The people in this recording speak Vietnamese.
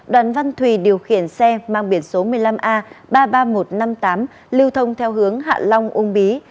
đoàn văn thùy điều khiển xe mang biển số một mươi năm a ba mươi ba nghìn một trăm năm mươi tám lưu thông theo hướng hạ long ung bí